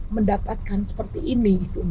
mendapatkan seperti ini